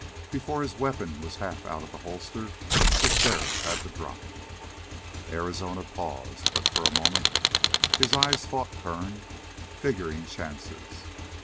Before his weapon was half out of the holster, the sheriff had the drop. Arizona paused, but, for a moment, his eyes fought Kern, figuring chances.